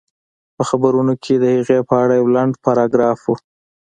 په خبرونو کې د هغې په اړه يو لنډ پاراګراف و